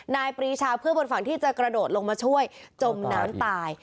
ปรีชาเพื่อนบนฝั่งที่จะกระโดดลงมาช่วยจมน้ำตาย